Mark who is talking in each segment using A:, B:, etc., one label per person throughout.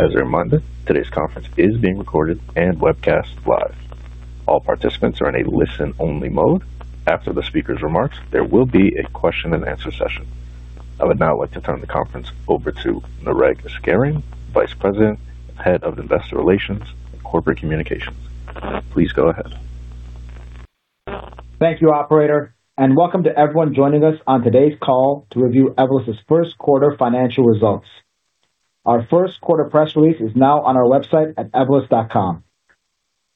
A: As a reminder, today's conference is being recorded and webcast live. All participants are in a listen-only mode. After the speaker's remarks, there will be a question and answer session. I would now like to turn the conference over to Nareg Sagherian, Vice President, Head of Investor Relations and Corporate Communications. Please go ahead.
B: Thank you, operator, and welcome to everyone joining us on today's call to review Evolus' first quarter financial results. Our first quarter press release is now on our website at evolus.com.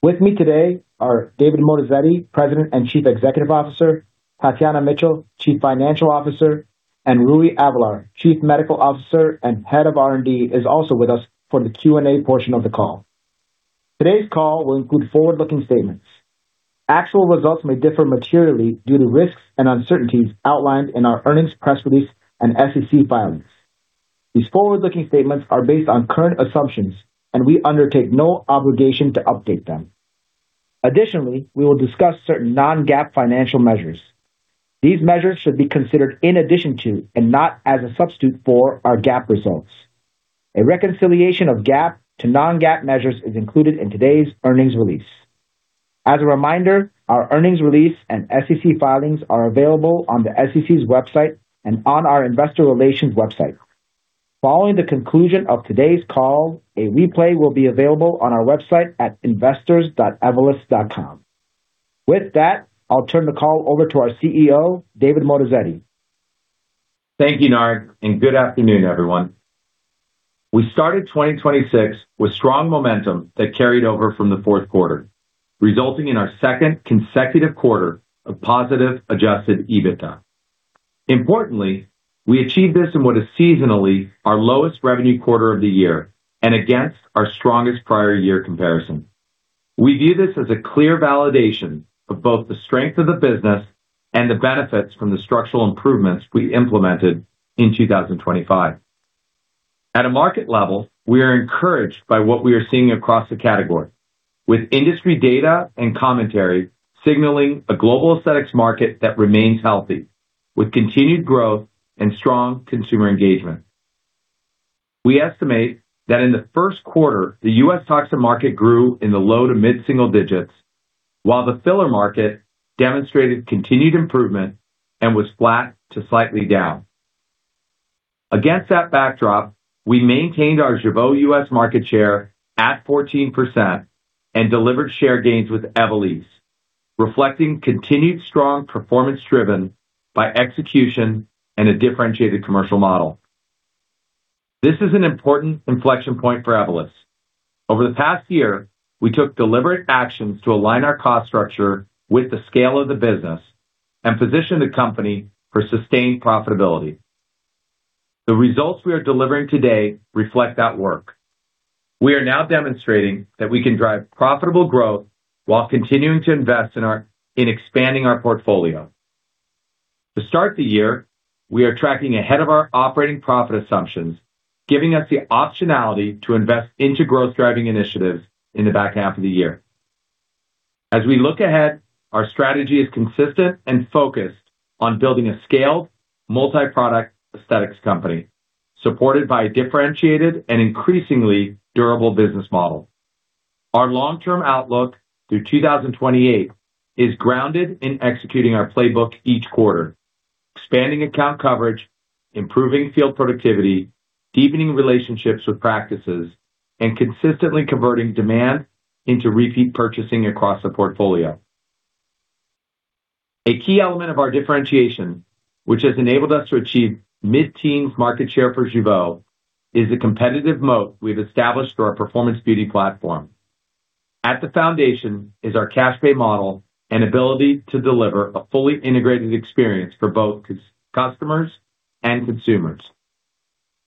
B: With me today are David Moatazedi, President and Chief Executive Officer, Tatiana Mitchell, Chief Financial Officer, and Rui Avelar, Chief Medical Officer and Head of R&D, is also with us for the Q&A portion of the call. Today's call will include forward-looking statements. Actual results may differ materially due to risks and uncertainties outlined in our earnings press release and SEC filings. These forward-looking statements are based on current assumptions. We undertake no obligation to update them. Additionally, we will discuss certain non-GAAP financial measures. These measures should be considered in addition to and not as a substitute for, our GAAP results. A reconciliation of GAAP to non-GAAP measures is included in today's earnings release. As a reminder, our earnings release and SEC filings are available on the SEC's website and on our investor relations website. Following the conclusion of today's call, a replay will be available on our website at investors.evolus.com. With that, I'll turn the call over to our CEO, David Moatazedi.
C: Thank you, Nareg, and good afternoon, everyone. We started 2026 with strong momentum that carried over from the fourth quarter, resulting in our second consecutive quarter of positive Adjusted EBITDA. Importantly, we achieved this in what is seasonally our lowest revenue quarter of the year and against our strongest prior year comparison. We view this as a clear validation of both the strength of the business and the benefits from the structural improvements we implemented in 2025. At a market level, we are encouraged by what we are seeing across the category, with industry data and commentary signaling a global aesthetics market that remains healthy, with continued growth and strong consumer engagement. We estimate that in the first quarter, the U.S. toxin market grew in the low to mid-single digits, while the filler market demonstrated continued improvement and was flat to slightly down. Against that backdrop, we maintained our Jeuveau U.S. market share at 14% and delivered share gains with Evolus, reflecting continued strong performance driven by execution and a differentiated commercial model. This is an important inflection point for Evolus. Over the past year, we took deliberate actions to align our cost structure with the scale of the business and position the company for sustained profitability. The results we are delivering today reflect that work. We are now demonstrating that we can drive profitable growth while continuing to invest in expanding our portfolio. To start the year, we are tracking ahead of our operating profit assumptions, giving us the optionality to invest into growth-driving initiatives in the back half of the year. As we look ahead, our strategy is consistent and focused on building a scaled multi-product aesthetics company, supported by a differentiated and increasingly durable business model. Our long-term outlook through 2028 is grounded in executing our playbook each quarter, expanding account coverage, improving field productivity, deepening relationships with practices, and consistently converting demand into repeat purchasing across the portfolio. A key element of our differentiation, which has enabled us to achieve mid-teens market share for Jeuveau, is a competitive moat we've established through our performance beauty platform. At the foundation is our cash pay model and ability to deliver a fully integrated experience for both customers and consumers.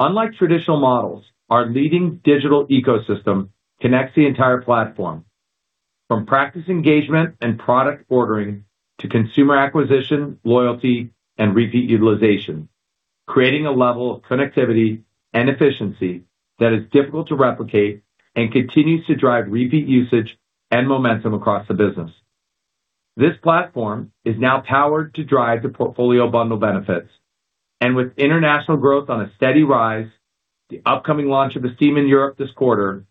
C: Unlike traditional models, our leading digital ecosystem connects the entire platform from practice engagement and product ordering to consumer acquisition, loyalty, and repeat utilization, creating a level of connectivity and efficiency that is difficult to replicate and continues to drive repeat usage and momentum across the business. This platform is now powered to drive the portfolio bundle benefits. With international growth on a steady rise, the upcoming launch of Estyme in Europe this quarter,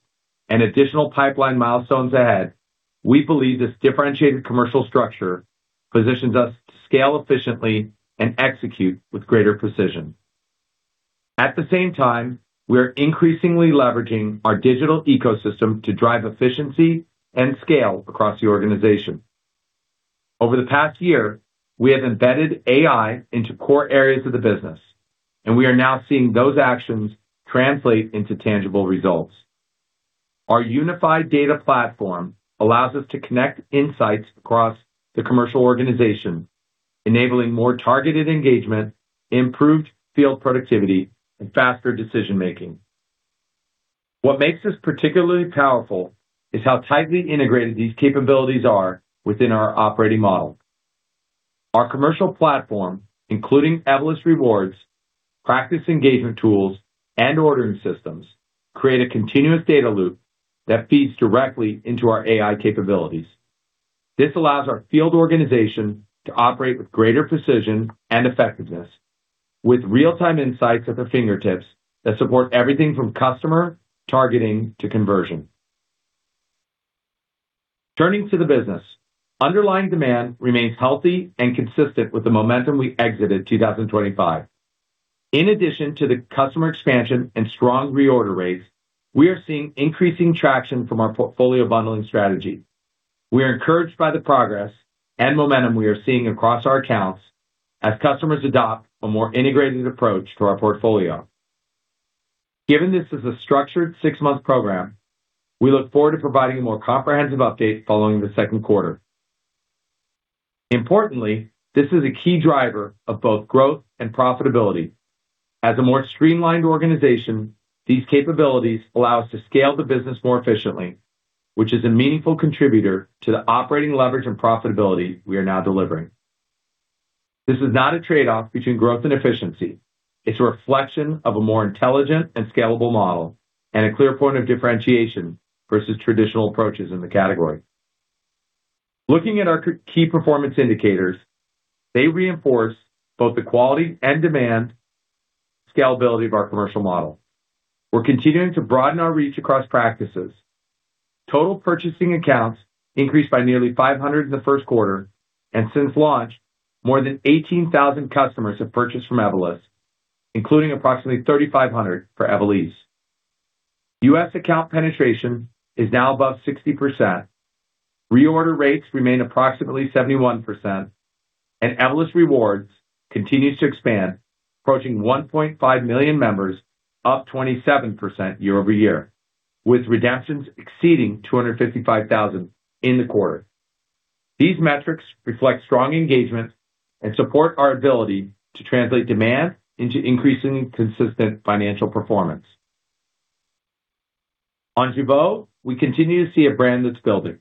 C: and additional pipeline milestones ahead, we believe this differentiated commercial structure positions us to scale efficiently and execute with greater precision. At the same time, we are increasingly leveraging our digital ecosystem to drive efficiency and scale across the organization. Over the past year, we have embedded AI into core areas of the business, and we are now seeing those actions translate into tangible results. Our unified data platform allows us to connect insights across the commercial organization, enabling more targeted engagement, improved field productivity, and faster decision-making. What makes this particularly powerful is how tightly integrated these capabilities are within our operating model. Our commercial platform, including Evolus Rewards, practice engagement tools, and ordering systems, create a continuous data loop that feeds directly into our AI capabilities. This allows our field organization to operate with greater precision and effectiveness, with real-time insights at their fingertips that support everything from customer targeting to conversion. Turning to the business, underlying demand remains healthy and consistent with the momentum we exited 2025. In addition to the customer expansion and strong reorder rates, we are seeing increasing traction from our portfolio bundling strategy. We are encouraged by the progress and momentum we are seeing across our accounts as customers adopt a more integrated approach to our portfolio. Given this is a structured six-month program, we look forward to providing a more comprehensive update following the second quarter. Importantly, this is a key driver of both growth and profitability. As a more streamlined organization, these capabilities allow us to scale the business more efficiently, which is a meaningful contributor to the operating leverage and profitability we are now delivering. This is not a trade-off between growth and efficiency. It's a reflection of a more intelligent and scalable model and a clear point of differentiation versus traditional approaches in the category. Looking at our key performance indicators, they reinforce both the quality and demand scalability of our commercial model. We're continuing to broaden our reach across practices. Total purchasing accounts increased by nearly 500 in the first quarter, and since launch, more than 18,000 customers have purchased from Evolus, including approximately 3,500 for Evolysse. U.S. account penetration is now above 60%. Reorder rates remain approximately 71%, and Evolus Rewards continues to expand, approaching 1.5 million members, up 27% year-over-year, with redemptions exceeding 255,000 in the quarter. These metrics reflect strong engagement and support our ability to translate demand into increasing consistent financial performance. On Jeuveau, we continue to see a brand that's building.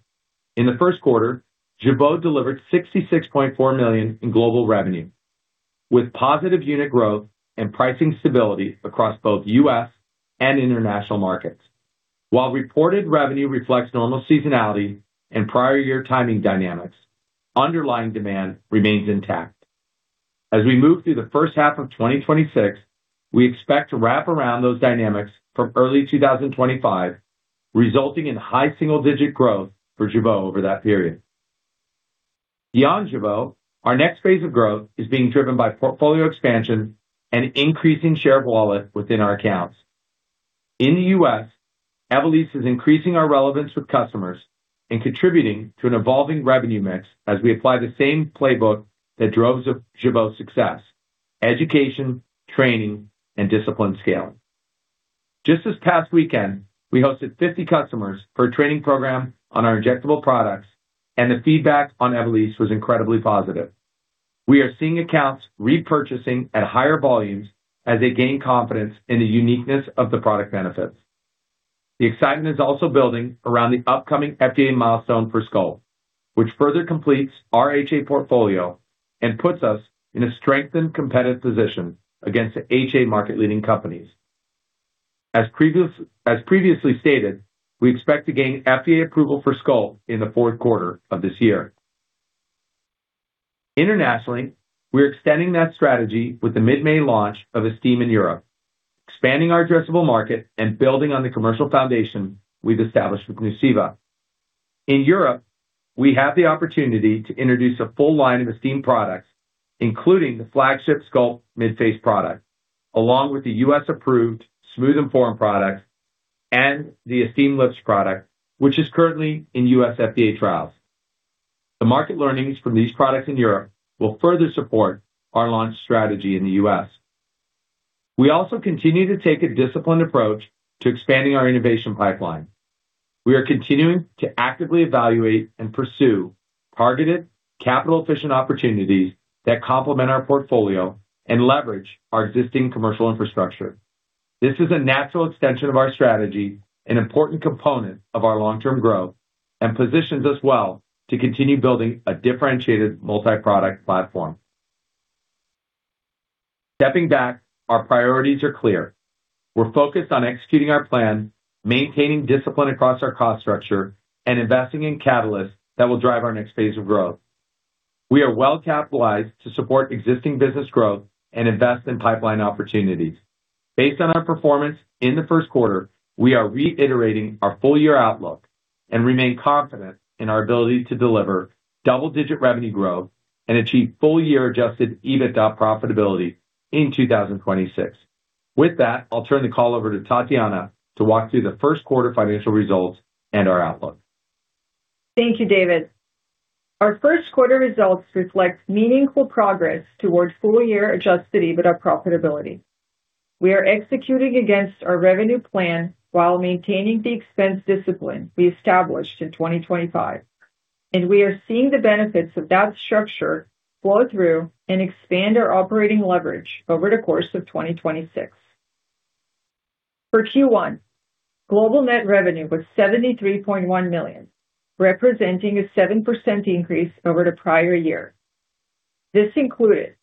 C: In the first quarter, Jeuveau delivered $66.4 million in global revenue, with positive unit growth and pricing stability across both U.S. and international markets. While reported revenue reflects normal seasonality and prior year timing dynamics, underlying demand remains intact. As we move through the first half of 2026, we expect to wrap around those dynamics from early 2025, resulting in high single-digit growth for Jeuveau over that period. Beyond Jeuveau, our next phase of growth is being driven by portfolio expansion and increasing share of wallet within our accounts. In the U.S., Evolus is increasing our relevance with customers and contributing to an evolving revenue mix as we apply the same playbook that drove Jeuveau's success: education, training, and disciplined scaling. Just this past weekend, we hosted 50 customers for a training program on our injectable products, and the feedback on Evolus was incredibly positive. We are seeing accounts repurchasing at higher volumes as they gain confidence in the uniqueness of the product benefits. The excitement is also building around the upcoming FDA milestone for Sculpt, which further completes our HA portfolio and puts us in a strengthened competitive position against the HA market-leading companies. As previously stated, we expect to gain FDA approval for Sculpt in the fourth quarter of this year. Internationally, we're extending that strategy with the mid-May launch of Estyme in Europe, expanding our addressable market and building on the commercial foundation we've established with Nuceiva. In Europe, we have the opportunity to introduce a full line of Estyme products, including the flagship Sculpt midface product, along with the U.S.-approved Smooth and Form product and the Estyme Lips product, which is currently in U.S. FDA trials. The market learnings from these products in Europe will further support our launch strategy in the U.S. We also continue to take a disciplined approach to expanding our innovation pipeline. We are continuing to actively evaluate and pursue targeted capital-efficient opportunities that complement our portfolio and leverage our existing commercial infrastructure. This is a natural extension of our strategy, an important component of our long-term growth, and positions us well to continue building a differentiated multi-product platform. Stepping back, our priorities are clear. We're focused on executing our plan, maintaining discipline across our cost structure, and investing in catalysts that will drive our next phase of growth. We are well-capitalized to support existing business growth and invest in pipeline opportunities. Based on our performance in the first quarter, we are reiterating our full-year outlook and remain confident in our ability to deliver double-digit revenue growth and achieve full-year Adjusted EBITDA profitability in 2026. With that, I'll turn the call over to Tatiana to walk through the first quarter financial results and our outlook.
D: Thank you, David. Our first quarter results reflect meaningful progress towards full-year Adjusted EBITDA profitability. We are executing against our revenue plan while maintaining the expense discipline we established in 2025. We are seeing the benefits of that structure flow through and expand our operating leverage over the course of 2026. For Q1, global net revenue was $73.1 million, representing a 7% increase over the prior year. This included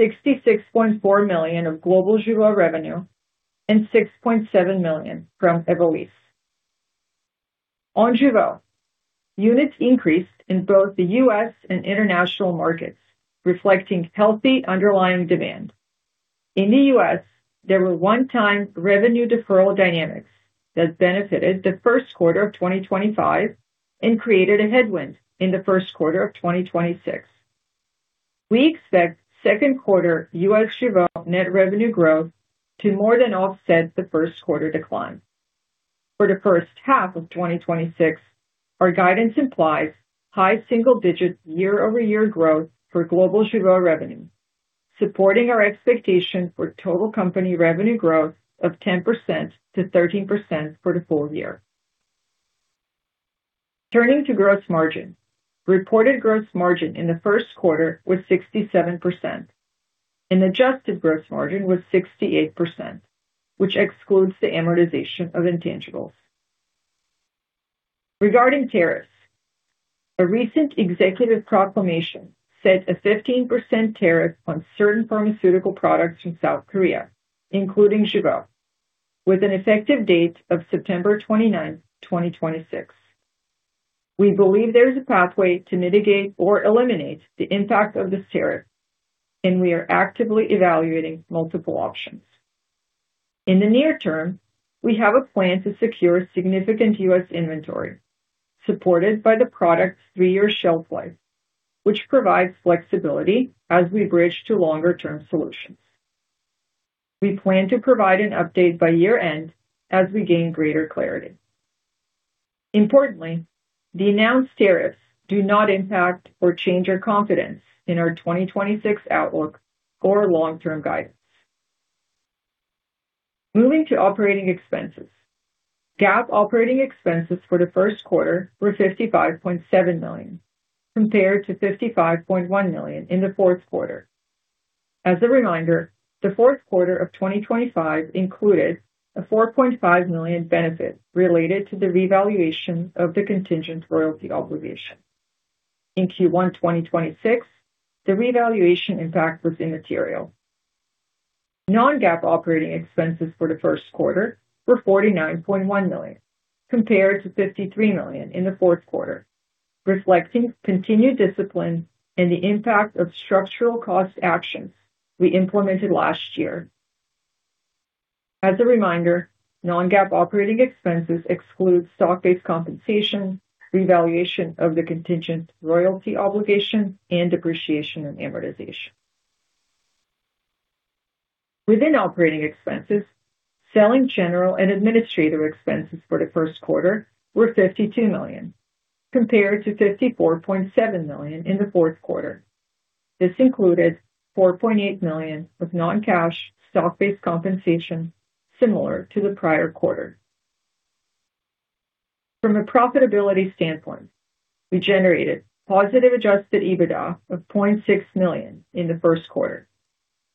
D: $66.4 million of global Jeuveau revenue and $6.7 million from Evolysse. On Jeuveau, units increased in both the U.S. and international markets, reflecting healthy underlying demand. In the U.S., there were one-time revenue deferral dynamics that benefited the first quarter of 2025 and created a headwind in the first quarter of 2026. We expect second quarter U.S. Jeuveau net revenue growth to more than offset the first quarter decline. For the first half of 2026, our guidance implies high single-digit year-over-year growth for global Jeuveau revenue, supporting our expectation for total company revenue growth of 10% to 13% for the full year. Turning to gross margin. Reported gross margin in the first quarter was 67% and adjusted gross margin was 68%, which excludes the amortization of intangibles. Regarding tariffs, a recent executive proclamation set a 15% tariff on certain pharmaceutical products from South Korea, including Jeuveau, with an effective date of September 29th, 2026. We believe there's a pathway to mitigate or eliminate the impact of this tariff, and we are actively evaluating multiple options. In the near term, we have a plan to secure significant U.S. inventory supported by the product's three-year shelf life, which provides flexibility as we bridge to longer-term solutions. We plan to provide an update by year-end as we gain greater clarity. Importantly, the announced tariffs do not impact or change our confidence in our 2026 outlook or long-term guidance. Moving to operating expenses. GAAP operating expenses for the first quarter were $55.7 million, compared to $55.1 million in the fourth quarter. As a reminder, the fourth quarter of 2025 included a $4.5 million benefit related to the revaluation of the contingent royalty obligation. In Q1 2026, the revaluation impact was immaterial. Non-GAAP operating expenses for the first quarter were $49.1 million, compared to $53 million in the fourth quarter, reflecting continued discipline and the impact of structural cost actions we implemented last year. As a reminder, non-GAAP operating expenses exclude stock-based compensation, revaluation of the contingent royalty obligation, and depreciation and amortization. Within operating expenses, selling general and administrative expenses for the first quarter were $52 million, compared to $54.7 million in the fourth quarter. This included $4.8 million of non-cash stock-based compensation similar to the prior quarter. From a profitability standpoint, we generated positive Adjusted EBITDA of $0.6 million in the first quarter,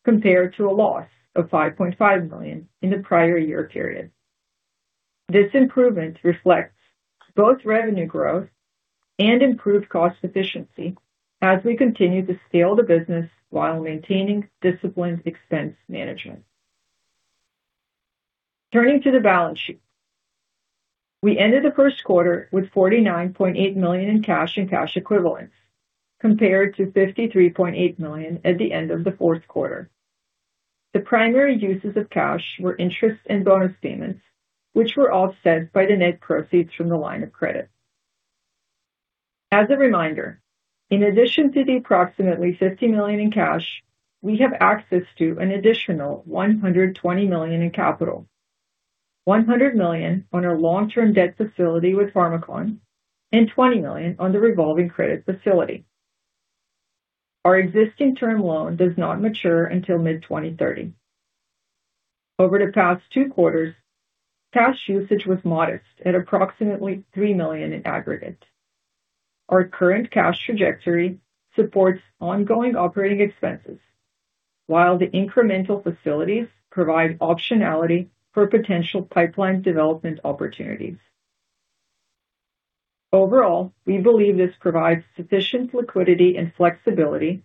D: compared to a loss of $5.5 million in the prior year period. This improvement reflects both revenue growth and improved cost efficiency as we continue to scale the business while maintaining disciplined expense management. Turning to the balance sheet. We ended the first quarter with $49.8 million in cash and cash equivalents, compared to $53.8 million at the end of the fourth quarter. The primary uses of cash were interest and bonus payments, which were offset by the net proceeds from the line of credit. As a reminder, in addition to the approximately $50 million in cash, we have access to an additional $120 million in capital. $100 million on our long-term debt facility with Pharmakon and $20 million on the revolving credit facility. Our existing term loan does not mature until mid-2030. Over the past two quarters, cash usage was modest at approximately $3 million in aggregate. Our current cash trajectory supports ongoing operating expenses, while the incremental facilities provide optionality for potential pipeline development opportunities. Overall, we believe this provides sufficient liquidity and flexibility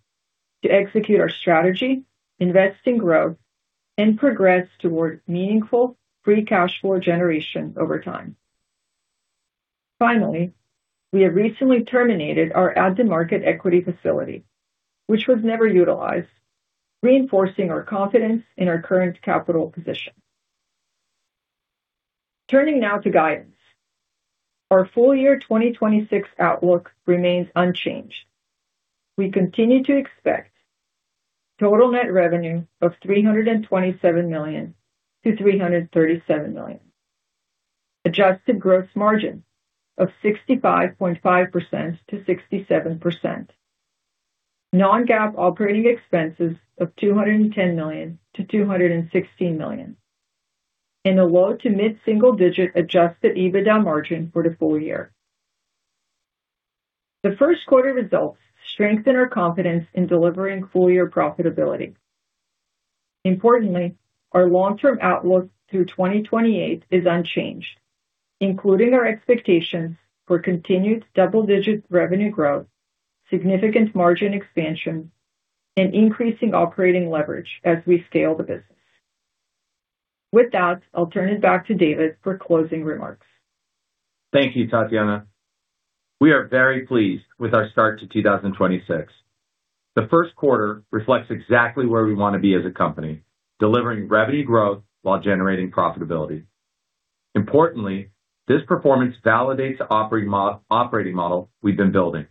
D: to execute our strategy, invest in growth, and progress toward meaningful free cash flow generation over time. Finally, we have recently terminated our at-the-market equity facility, which was never utilized, reinforcing our confidence in our current capital position. Turning now to guidance. Our full-year 2026 outlook remains unchanged. We continue to expect total net revenue of $327 million-$337 million. Adjusted gross margin of 65.5%-67%. Non-GAAP operating expenses of $210 million-$216 million. A low to mid-single digit Adjusted EBITDA margin for the full year. The first quarter results strengthen our confidence in delivering full-year profitability. Importantly, our long-term outlook through 2028 is unchanged, including our expectations for continued double-digit revenue growth, significant margin expansion, and increasing operating leverage as we scale the business. With that, I'll turn it back to David for closing remarks.
C: Thank you, Tatiana. We are very pleased with our start to 2026. The first quarter reflects exactly where we wanna be as a company, delivering revenue growth while generating profitability. Importantly, this performance validates the operating model we've been building.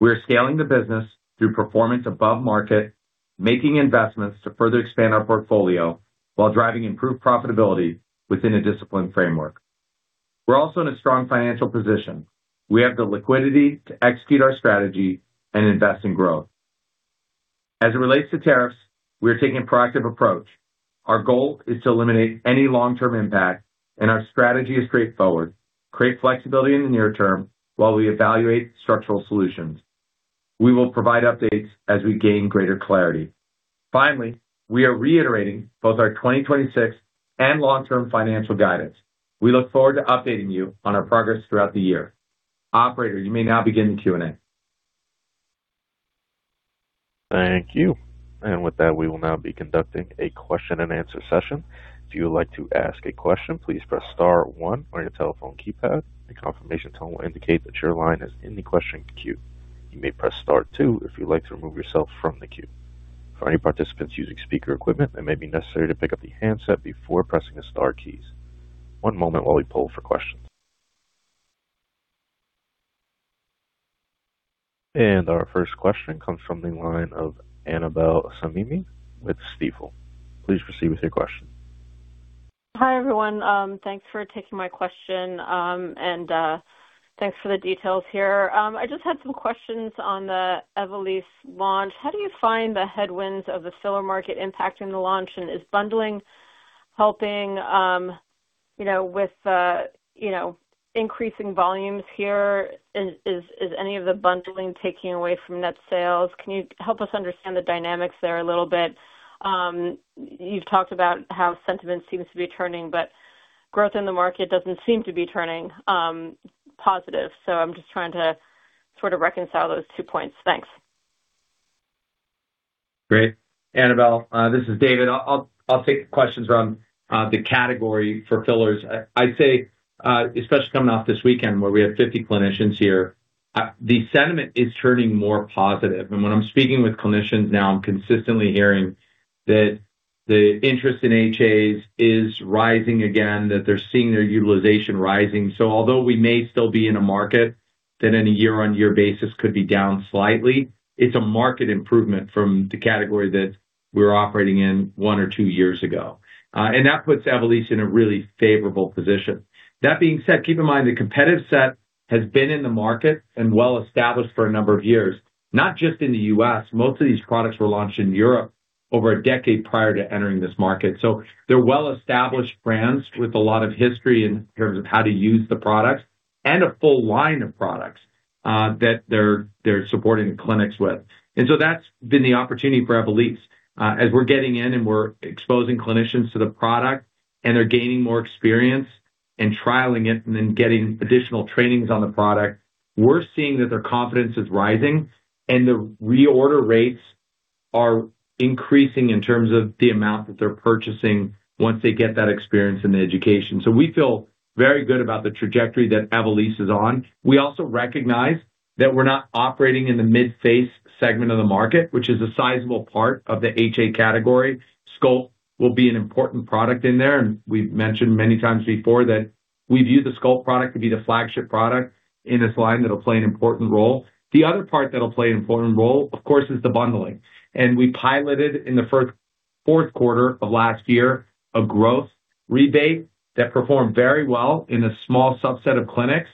C: We are scaling the business through performance above market, making investments to further expand our portfolio while driving improved profitability within a disciplined framework. We're also in a strong financial position. We have the liquidity to execute our strategy and invest in growth. As it relates to tariffs, we are taking a proactive approach. Our strategy is straightforward, create flexibility in the near term while we evaluate structural solutions. We will provide updates as we gain greater clarity. We are reiterating both our 2026 and long-term financial guidance. We look forward to updating you on our progress throughout the year. Operator, you may now begin Q&A.
A: Thank you. With that, we will now be conducting a question-and-answer session. If you would like to ask a question, please press Star One on your telephone keypad. A confirmation tone will indicate that your line is in the question queue. You may press Star Two if you'd like to remove yourself from the queue. For any participants using speaker equipment, it may be necessary to pick up the handset before pressing the star keys. One moment while we poll for questions. Our first question comes from the line of Annabel Samimy with Stifel. Please proceed with your question.
E: Hi, everyone. Thanks for taking my question. Thanks for the details here. I just had some questions on the Evolysse launch. How do you find the headwinds of the filler market impacting the launch, and is bundling helping with increasing volumes here? Is any of the bundling taking away from net sales? Can you help us understand the dynamics there a little bit? You've talked about how sentiment seems to be turning, but growth in the market doesn't seem to be turning positive. I'm just trying to sort of reconcile those two points. Thanks.
C: Great. Annabel Samimy, this is David Moatazedi. I'll take the questions around the category for fillers. I'd say, especially coming off this weekend where we had 50 clinicians here, the sentiment is turning more positive. When I'm speaking with clinicians now, I'm consistently hearing that the interest in HAs is rising again, that they're seeing their utilization rising. Although we may still be in a market that in a year-on-year basis could be down slightly, it's a market improvement from the category that we were operating in one or two years ago. That puts Evolus in a really favorable position. That being said, keep in mind the competitive set has been in the market and well-established for a number of years, not just in the U.S. Most of these products were launched in Europe over a decade prior to entering this market. They're well-established brands with a lot of history in terms of how to use the products and a full 1 line of products that they're supporting the clinics with. That's been the opportunity for Evolus. As we're getting in and we're exposing clinicians to the product and they're gaining more experience and trialing it and then getting additional trainings on the product, we're seeing that their confidence is rising and the reorder rates are increasing in terms of the amount that they're purchasing once they get that experience and the education. We feel very good about the trajectory that Evolus is on. We also recognize that we're not operating in the mid-face segment of the market, which is a sizable part of the HA category. Sculpt will be an important product in there, and we've mentioned many times before that we view the Sculpt product to be the flagship product in this line that'll play an important role. The other part that'll play an important role, of course, is the bundling. We piloted in the fourth quarter of last year, a growth rebate that performed very well in a small subset of clinics.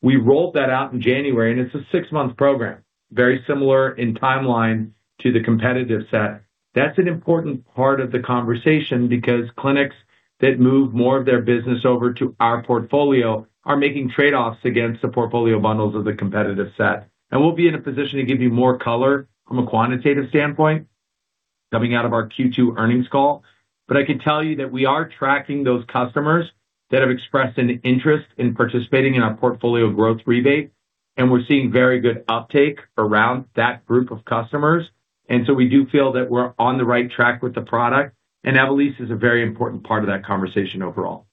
C: We rolled that out in January, and it's a six-month program, very similar in timeline to the competitive set. That's an important part of the conversation because clinics that move more of their business over to our portfolio are making trade-offs against the portfolio bundles of the competitive set. We'll be in a position to give you more color from a quantitative standpoint coming out of our Q2 earnings call. I can tell you that we are tracking those customers that have expressed an interest in participating in our portfolio growth rebate, and we're seeing very good uptake around that group of customers. We do feel that we're on the right track with the product, and Evolus is a very important part of that conversation overall.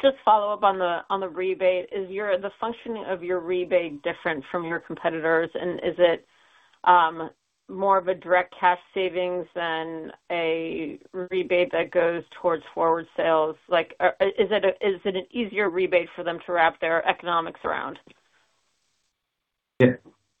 E: Could I just follow up on the, on the rebate? Is the functioning of your rebate different from your competitors? Is it, more of a direct cash savings than a rebate that goes towards forward sales? Like, is it a, is it an easier rebate for them to wrap their economics around?
C: I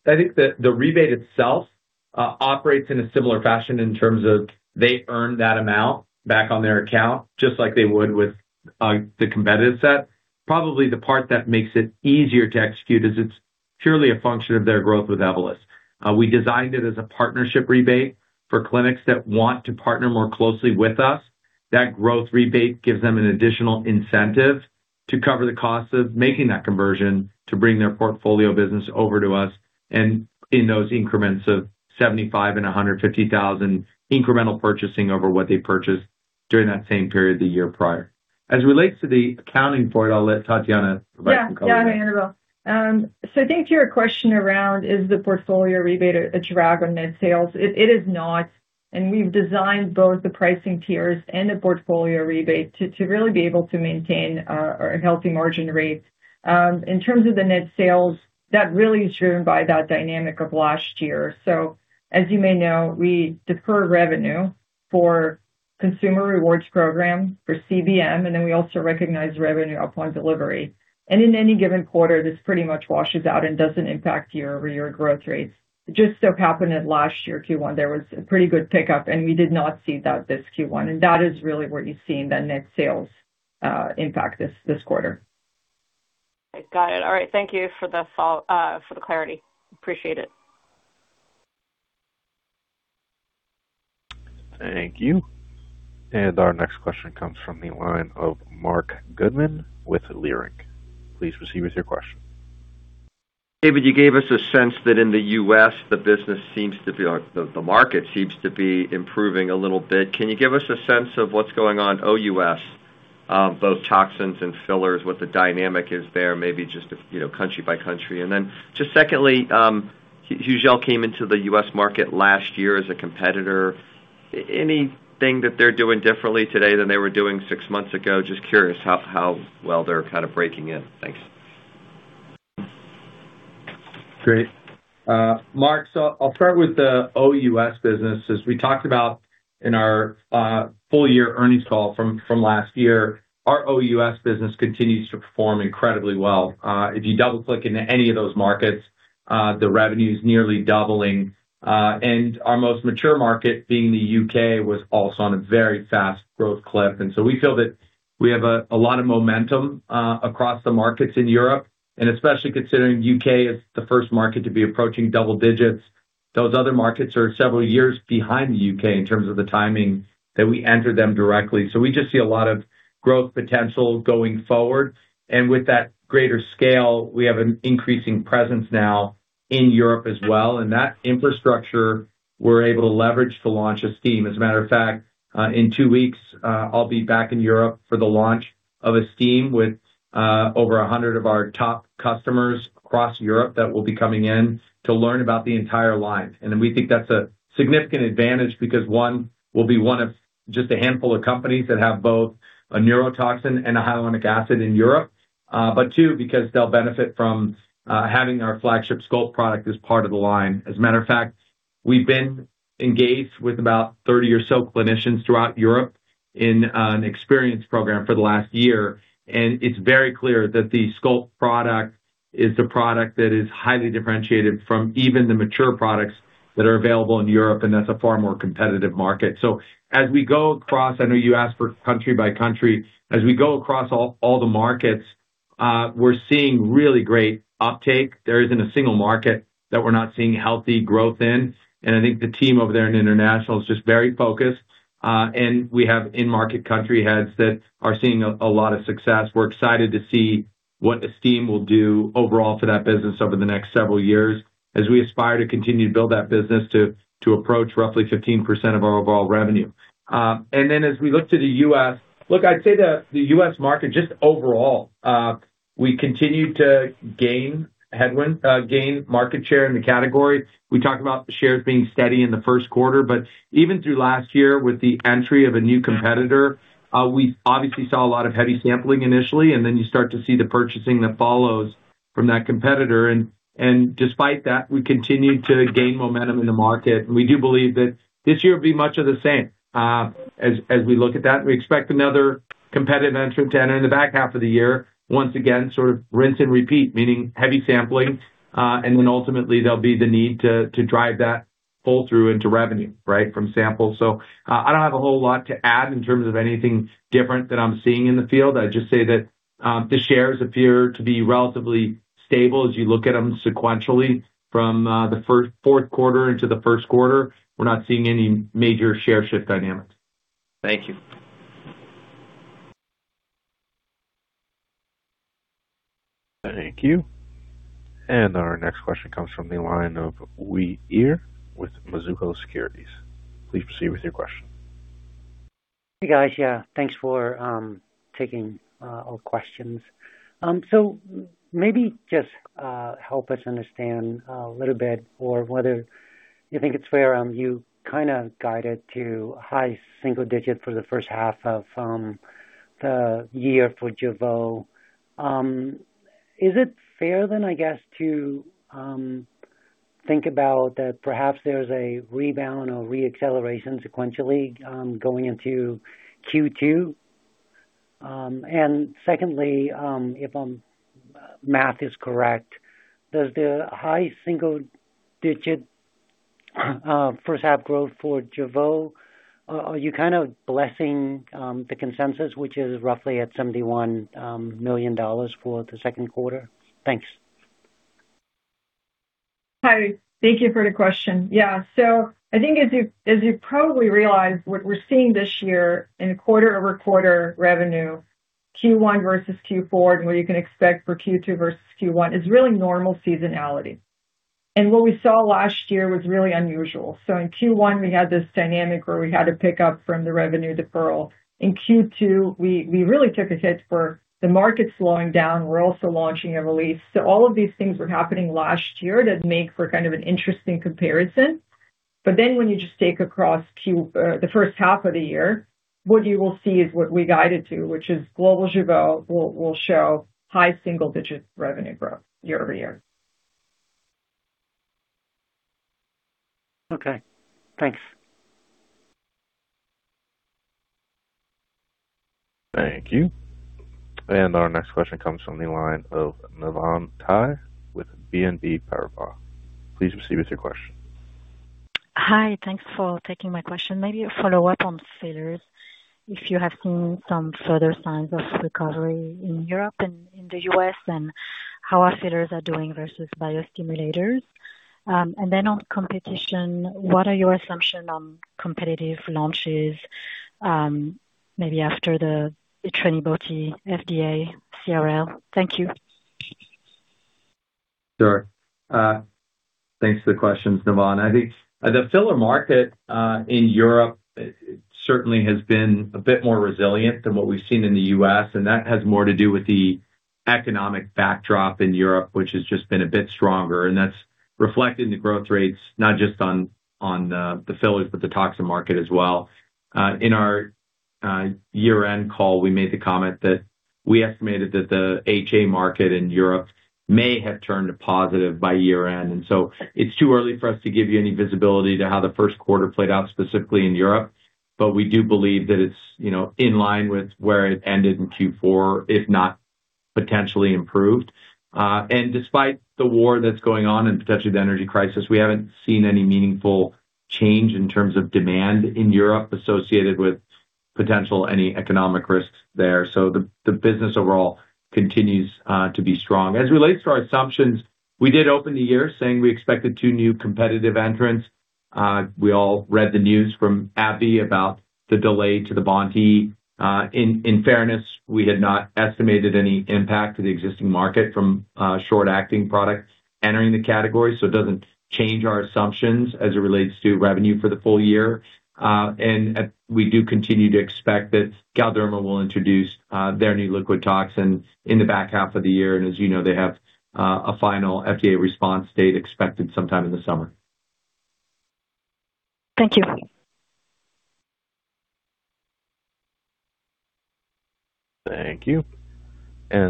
C: think the rebate itself operates in a similar fashion in terms of they earn that amount back on their account, just like they would with the competitive set. Probably the part that makes it easier to execute is it's purely a function of their growth with Evolysse. We designed it as a partnership rebate for clinics that want to partner more closely with us. That growth rebate gives them an additional incentive to cover the cost of making that conversion to bring their portfolio business over to us and in those increments of 75 and 150,000 incremental purchasing over what they purchased during that same period the year prior. As it relates to the accounting for it, I'll let Tatiana provide some color.
D: Yeah, yeah, Annabel Samimy. I think to your question around is the portfolio rebate a drag on net sales, it is not. We've designed both the pricing tiers and the portfolio rebate to really be able to maintain our healthy margin rates. In terms of the net sales, that really is driven by that dynamic of last year. As you may know, we defer revenue for Consumer Rewards Program for CBM, then we also recognize revenue upon delivery. In any given quarter, this pretty much washes out and doesn't impact year-over-year growth rates. It just so happened that last year, Q1, there was a pretty good pickup, and we did not see that this Q1. That is really where you're seeing the net sales impact this quarter.
E: Got it. All right. Thank you for the clarity. Appreciate it.
A: Thank you. Our next question comes from the line of Marc Goodman with Leerink Partners. Please proceed with your question. David, you gave us a sense that in the U.S., the business seems to be or the market seems to be improving a little bit. Can you give us a sense of what's going on OUS, both toxins and fillers, what the dynamic is there, maybe just, you know, country by country? Then just secondly, Hugel came into the U.S. market last year as a competitor. Anything that they're doing differently today than they were doing six months ago? Just curious how well they're kind of breaking in. Thanks.
C: Great. Marc, I'll start with the OUS business. As we talked about in our full year earnings call from last year, our OUS business continues to perform incredibly well. If you double-click into any of those markets, the revenue's nearly doubling. Our most mature market, being the U.K., was also on a very fast growth clip. We feel that we have a lot of momentum across the markets in Europe, and especially considering U.K. is the first market to be approaching double digits. Those other markets are several years behind the U.K. in terms of the timing that we enter them directly. We just see a lot of growth potential going forward. With that greater scale, we have an increasing presence now in Europe as well. That infrastructure, we're able to leverage to launch Estyme. As a matter of fact, in two weeks, I'll be back in Europe for the launch of Estyme with over 100 of our top customers across Europe that will be coming in to learn about the entire line. We think that's a significant advantage because, one, we'll be one of just a handful of companies that have both a neurotoxin and a hyaluronic acid in Europe. Two, because they'll benefit from having our flagship Sculpt product as part of the line. As a matter of fact, we've been engaged with about 30 or so clinicians throughout Europe in an experience program for the last year, and it's very clear that the Sculpt product is the product that is highly differentiated from even the mature products that are available in Europe, and that's a far more competitive market. As we go across, I know you asked for country by country, as we go across all the markets, we're seeing really great uptake. There isn't a single market that we're not seeing healthy growth in, and I think the team over there in international is just very focused. We have in-market country heads that are seeing a lot of success. We're excited to see what Estyme will do overall for that business over the next several years as we aspire to continue to build that business to approach roughly 15% of our overall revenue. As we look to the U.S., I'd say the U.S. market just overall, we continue to gain market share in the category. We talked about the shares being steady in the first quarter, but even through last year with the entry of a new competitor, we obviously saw a lot of heavy sampling initially, and then you start to see the purchasing that follows from that competitor. Despite that, we continued to gain momentum in the market. We do believe that this year will be much of the same as we look at that. We expect another competitor entry to enter in the back half of the year, once again, sort of rinse and repeat, meaning heavy sampling, and then ultimately there'll be the need to drive that pull-through into revenue, right, from sample. I don't have a whole lot to add in terms of anything different that I'm seeing in the field. I'd just say that the shares appear to be relatively stable as you look at them sequentially from the fourth quarter into the first quarter. We're not seeing any major share shift dynamics.
F: Thank you.
A: Thank you. Our next question comes from the line of Uy Ear with Mizuho Securities. Please proceed with your question. Hey, guys. Yeah, thanks for taking our questions. Maybe just help us understand a little bit or whether you think it's fair, you guided to high single-digit for the first half of the year for Jeuveau. Is it fair to think about that perhaps there's a rebound or re-acceleration sequentially going into Q2? Secondly, if my math is correct, does the high single-digit first half growth for Jeuveau, are you blessing the consensus, which is roughly at $71 million for the second quarter?
D: Hi, thank you for the question. I think as you, as you probably realize, what we're seeing this year in quarter-over-quarter revenue, Q1 versus Q4, and what you can expect for Q2 versus Q1 is really normal seasonality. What we saw last year was really unusual. In Q1, we had this dynamic where we had to pick up from the revenue deferral. In Q2, we really took a hit for the market slowing down. We're also launching Evolysse. All of these things were happening last year that make for kind of an interesting comparison. When you just take across the first half of the year, what you will see is what we guided to, which is global Jeuveau will show high single-digit revenue growth year-over-year.
G: Okay, thanks.
A: Thank you. Our next question comes from the line of Navann Ty with BNP Paribas. Please proceed with your question. Hi, thanks for taking my question. Maybe a follow-up on fillers. If you have seen some further signs of recovery in Europe and in the U.S., and how our fillers are doing versus biostimulators. Then on competition, what are your assumption on competitive launches, maybe after the TrenibotE FDA CRL? Thank you.
C: Sure. Thanks for the questions, Navann. I think the filler market in Europe certainly has been a bit more resilient than what we've seen in the U.S., and that has more to do with the economic backdrop in Europe, which has just been a bit stronger, and that's reflected in the growth rates, not just on the fillers, but the toxin market as well. In our year-end call, we made the comment that we estimated that the HA market in Europe may have turned a positive by year-end. It's too early for us to give you any visibility to how the first quarter played out specifically in Europe. We do believe that it's, you know, in line with where it ended in Q4, if not potentially improved. Despite the war that's going on and potentially the energy crisis, we haven't seen any meaningful change in terms of demand in Europe associated with potential any economic risks there. The business overall continues to be strong. As it relates to our assumptions, we did open the year saying we expected two new competitive entrants. We all read the news from AbbVie about the delay to the BoNT/E. In fairness, we had not estimated any impact to the existing market from short-acting products entering the category, so it doesn't change our assumptions as it relates to revenue for the full year. We do continue to expect that Galderma will introduce their new liquid toxin in the back half of the year. As you know, they have a final FDA response date expected sometime in the summer.
H: Thank you.
A: Thank you.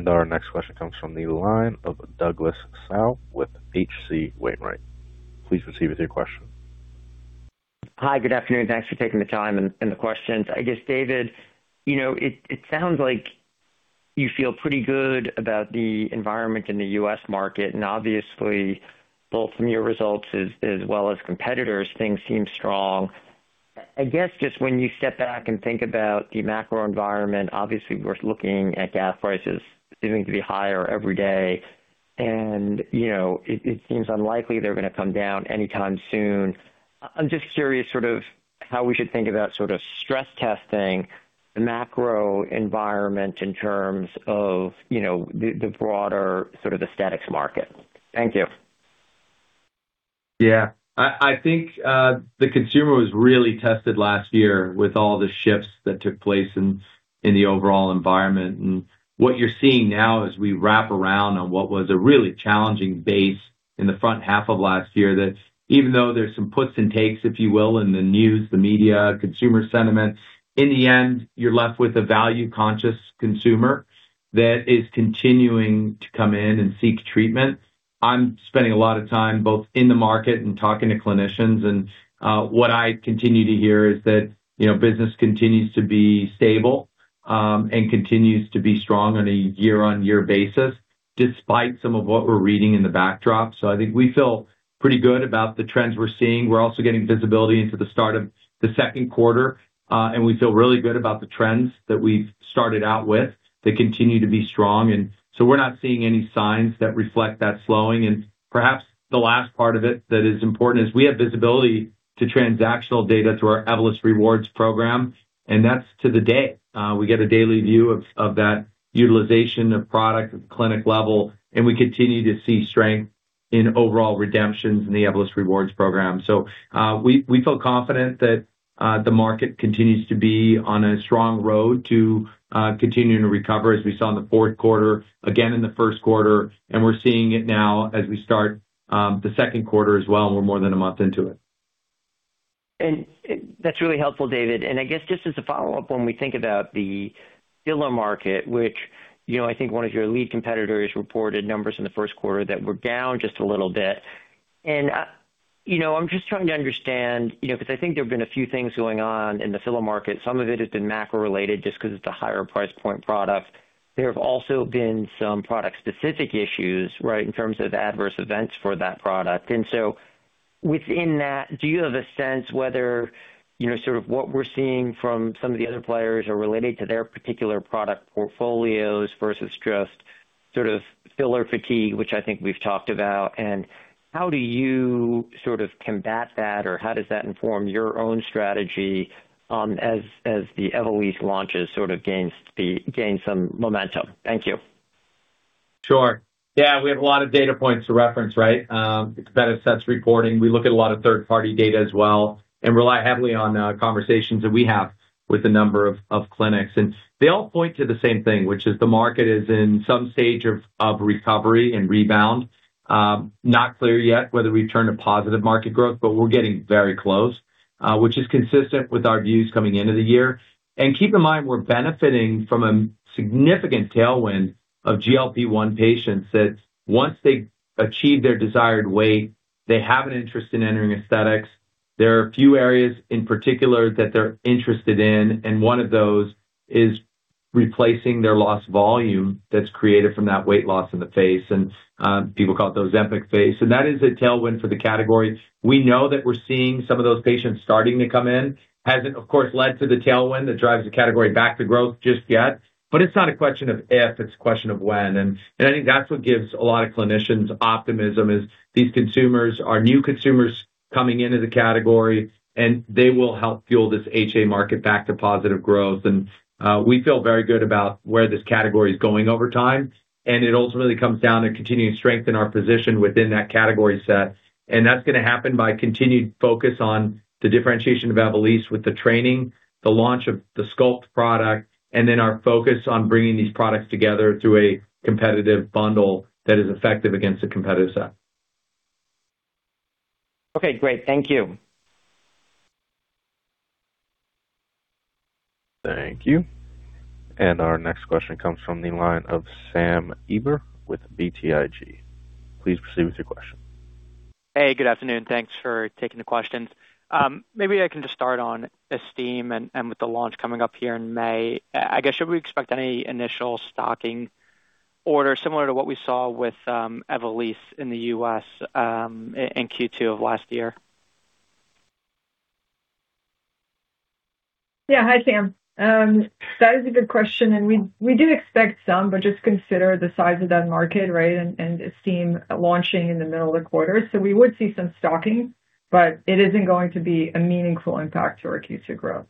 A: Our next question comes from the line of Douglas Tsao with H.C. Wainwright. Please proceed with your question. Hi, good afternoon. Thanks for taking the time and the questions. I guess, David, you know, it sounds like you feel pretty good about the environment in the U.S. market, and obviously both from your results as well as competitors, things seem strong. I guess just when you step back and think about the macro environment, obviously we're looking at gas prices seeming to be higher every day. You know, it seems unlikely they're gonna come down anytime soon. I'm just curious sort of how we should think about sort of stress testing the macro environment in terms of, you know, the broader sort of aesthetics market. Thank you.
C: I think the consumer was really tested last year with all the shifts that took place in the overall environment. What you're seeing now as we wrap around on what was a really challenging base in the front half of last year, that even though there's some puts and takes, if you will, in the news, the media, consumer sentiment, in the end, you're left with a value-conscious consumer that is continuing to come in and seek treatment. I'm spending a lot of time both in the market and talking to clinicians, and what I continue to hear is that, you know, business continues to be stable, and continues to be strong on a year-on-year basis, despite some of what we're reading in the backdrop. I think we feel pretty good about the trends we're seeing. We're also getting visibility into the start of the second quarter, and we feel really good about the trends that we've started out with. They continue to be strong. We're not seeing any signs that reflect that slowing. Perhaps the last part of it that is important is we have visibility to transactional data through our Evolus Rewards program, and that's to the day. We get a daily view of that utilization of product at the clinic level, and we continue to see strength in overall redemptions in the Evolus Rewards program. We feel confident that the market continues to be on a strong road to continuing to recover as we saw in the fourth quarter, again in the first quarter, and we're seeing it now as we start the second quarter as well. We're more than a month into it.
I: That's really helpful, David. I guess just as a follow-up, when we think about the filler market, which, you know, I think one of your lead competitors reported numbers in the first quarter that were down just a little bit. You know, I'm just trying to understand, you know, 'cause I think there have been a few things going on in the filler market. Some of it has been macro related just 'cause it's a higher price point product. There have also been some product specific issues, right? In terms of adverse events for that product. Within that, do you have a sense whether, you know, sort of what we're seeing from some of the other players are related to their particular product portfolios versus just sort of filler fatigue, which I think we've talked about, and how do you sort of combat that, or how does that inform your own strategy, as the Evolysse launches sort of gains some momentum? Thank you.
C: Sure. Yeah, we have a lot of data points to reference, right? It's MedEsthetics reporting. We look at a lot of third-party data as well and rely heavily on conversations that we have with a number of clinics. They all point to the same thing, which is the market is in some stage of recovery and rebound. Not clear yet whether we turn a positive market growth, but we're getting very close, which is consistent with our views coming into the year. Keep in mind, we're benefiting from a significant tailwind of GLP-1 patients that once they achieve their desired weight, they have an interest in entering aesthetics. There are a few areas in particular that they're interested in, and one of those is replacing their lost volume that's created from that weight loss in the face. People call it the Ozempic face, and that is a tailwind for the category. We know that we're seeing some of those patients starting to come in. Hasn't, of course, led to the tailwind that drives the category back to growth just yet. It's not a question of if, it's a question of when. I think that's what gives a lot of clinicians optimism, is these consumers are new consumers coming into the category, and they will help fuel this HA market back to positive growth. We feel very good about where this category is going over time, and it ultimately comes down to continuing to strengthen our position within that category set. That's gonna happen by continued focus on the differentiation of Evolysse with the training, the launch of the Sculpt product, and then our focus on bringing these products together through a competitive bundle that is effective against the competitor set.
I: Okay, great. Thank you.
A: Thank you. Our next question comes from the line of Sam Eiber with BTIG. Please proceed with your question. Hey, good afternoon. Thanks for taking the questions. Maybe I can just start on Estyme with the launch coming up here in May. I guess, should we expect any initial stocking order similar to what we saw with Evolysse in the U.S. in Q2 of last year?
D: Hi, Sam. That is a good question, and we do expect some, but just consider the size of that market, right, and Estyme launching in the middle of the quarter. We would see some stocking, but it isn't going to be a meaningful impact to our Q2 growth.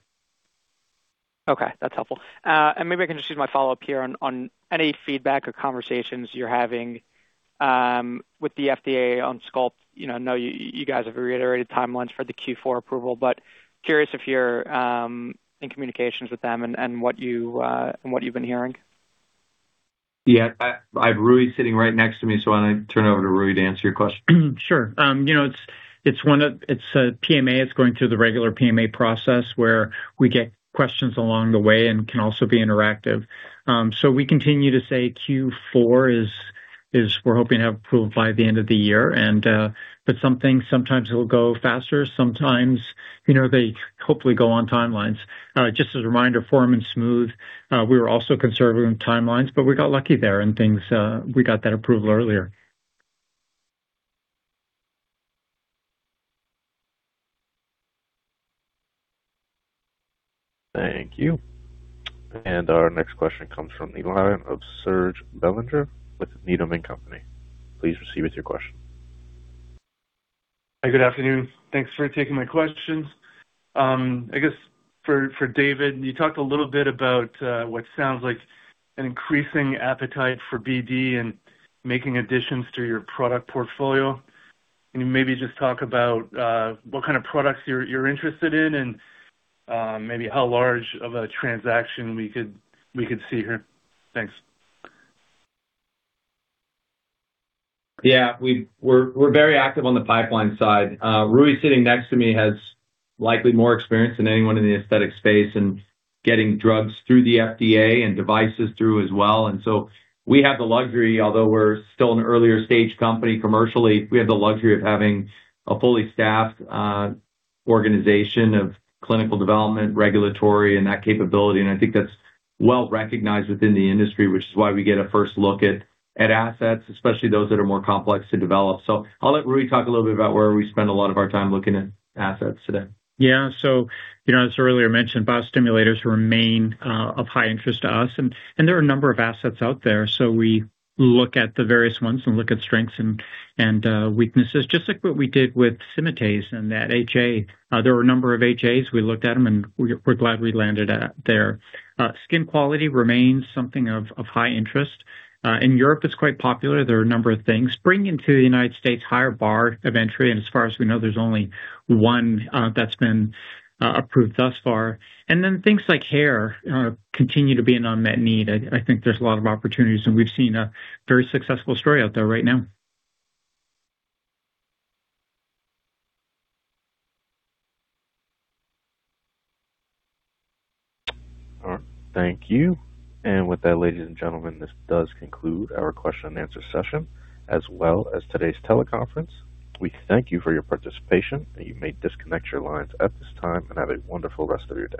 J: Okay, that's helpful. Maybe I can just use my follow-up here on any feedback or conversations you're having with the FDA on Sculpt. You know, I know you guys have reiterated timelines for the Q4 approval. Curious if you're in communications with them and what you've been hearing.
C: Yeah. I have Rui sitting right next to me, so why don't I turn it over to Rui to answer your question?
K: You know, it's a PMA. It's going through the regular PMA process where we get questions along the way and can also be interactive. We continue to say Q4 is we're hoping to have approval by the end of the year and sometimes it'll go faster, sometimes, you know, they hopefully go on timelines. Just as a reminder, Form and Smooth, we were also conservative in timelines, but we got lucky there and things, we got that approval earlier.
A: Thank you. Our next question comes from the line of Serge Belanger with Needham & Company. Please proceed with your question. Hi, good afternoon. Thanks for taking my questions. I guess for David, you talked a little bit about what sounds like an increasing appetite for BD and making additions to your product portfolio. Can you maybe just talk about what kind of products you're interested in and maybe how large of a transaction we could see here? Thanks.
C: We're very active on the pipeline side. Rui sitting next to me has likely more experience than anyone in the aesthetic space and getting drugs through the FDA and devices through as well. We have the luxury, although we're still an earlier stage company commercially, we have the luxury of having a fully staffed organization of clinical development, regulatory, and that capability. I think that's well-recognized within the industry, which is why we get a first look at assets, especially those that are more complex to develop. I'll let Rui talk a little bit about where we spend a lot of our time looking at assets today.
K: Yeah. You know, as earlier mentioned, biostimulators remain of high interest to us and there are a number of assets out there. We look at the various ones and look at strengths and weaknesses, just like what we did with Symatese and that HA. There were a number of HAs. We looked at them, and we're glad we landed at there. Skin quality remains something of high interest. In Europe, it's quite popular. There are a number of things. Bringing to the U.S. higher bar of entry, and as far as we know, there's only one that's been approved thus far. Things like hair continue to be an unmet need. I think there's a lot of opportunities, and we've seen a very successful story out there right now.
A: All right. Thank you. With that, ladies and gentlemen, this does conclude our question and answer session, as well as today's teleconference. We thank you for your participation, and you may disconnect your lines at this time and have a wonderful rest of your day.